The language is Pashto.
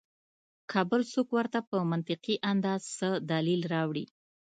کۀ بل څوک ورته پۀ منطقي انداز څۀ دليل راوړي